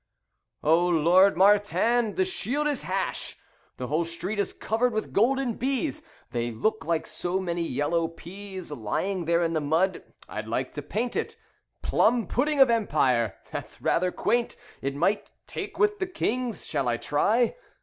"Oh, Lord, Martin! That shield is hash. The whole street is covered with golden bees. They look like so many yellow peas, Lying there in the mud. I'd like to paint it. 'Plum pudding of Empire'. That's rather quaint, it Might take with the Kings. Shall I try?"